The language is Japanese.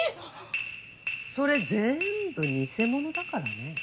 それ全部偽物だからね。